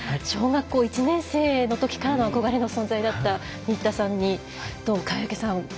小学校１年生のときからの憧れの存在だった新田さんと川除さん